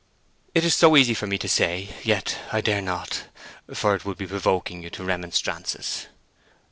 "It is so easy for me to say, and yet I dare not, for it would be provoking you to remonstrances."